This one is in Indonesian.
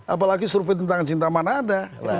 apalagi survei tentang cinta mana ada